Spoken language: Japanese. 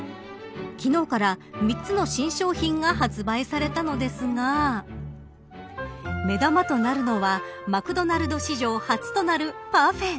昨日から、３つの新商品が発売されたのですが目玉となるのはマクドナルド史上初となるパフェ